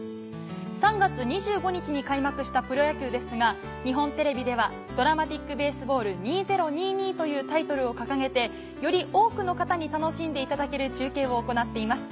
３月２５日に開幕したプロ野球ですが日本テレビでは『ＤＲＡＭＡＴＩＣＢＡＳＥＢＡＬＬ２０２２』というタイトルを掲げてより多くの方に楽しんでいただける中継を行っています。